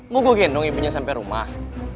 mau gue gendong ibunya sampai rumah